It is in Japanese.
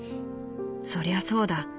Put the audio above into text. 「そりゃそうだ。